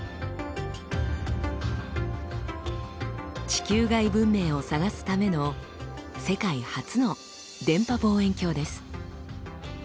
地球外文明を探すための世界初の電波望遠鏡です。